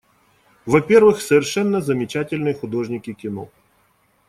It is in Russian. Во-первых, совершенно замечательные художники кино.